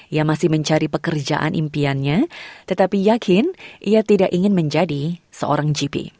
ia masih mencari pekerjaan impiannya tetapi yakin ia tidak ingin menjadi seorang gp